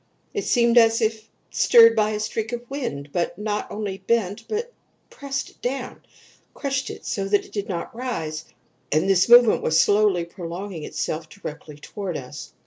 It seemed as if stirred by a streak of wind, which not only bent it, but pressed it down crushed it so that it did not rise, and this movement was slowly prolonging itself directly toward us.